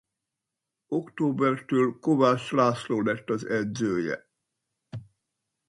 Októbertől Kovács László lett az edzője.